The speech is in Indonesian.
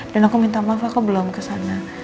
dan aku minta maaf aku belum ke sana